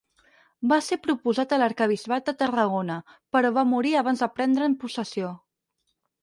Va ser proposat a l'arquebisbat de Tarragona, però va morir abans de prendre'n possessió.